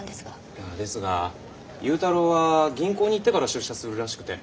いやですが勇太郎は銀行に行ってから出社するらしくて。